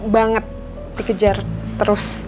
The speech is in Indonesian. banget dikejar terus